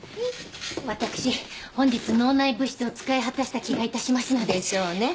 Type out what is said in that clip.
私本日脳内物質を使い果たした気がいたしますので。でしょうね。